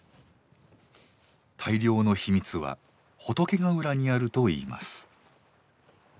大漁の秘密は仏ヶ浦にあるといいます。